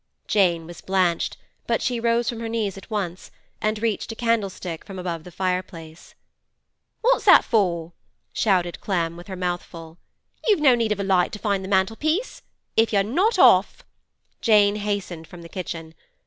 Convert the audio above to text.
Jane was blanched; but she rose from her knees at once, and reached a candlestick from above the fireplace. 'What's that for?' shouted Clem, with her mouth full. 'You've no need of a light to find the mantel piece. If you're not off—' Jane hastened from the kitchen.